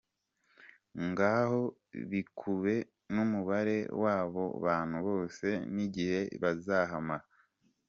Ngaho bikube n’umubare w’abo bantu bose n’igihe bazahamara.